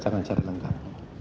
jangan cari lengkap